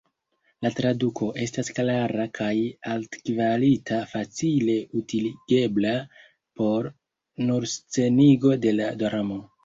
La traduko estas klara kaj altkvalita, facile utiligebla por surscenigo de la dramo.